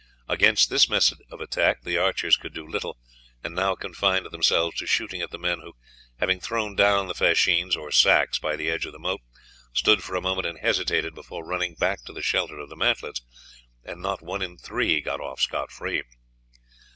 Against this method of attack the archers could do little, and now confined themselves to shooting at the men who, having thrown down the fascines or sacks by the edge of the moat, stood for a moment and hesitated before running back to the shelter of the mantlets, and not one in three got off scot free.